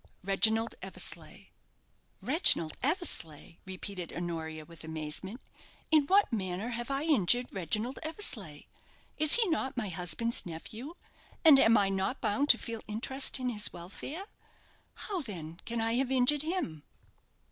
"Reginald Eversleigh." "Reginald Eversleigh!" repeated Honoria, with amazement. "In what manner have I injured Reginald Eversleigh? Is he not my husband's nephew, and am I not bound to feel interest in his welfare? How, then, can I have injured him?"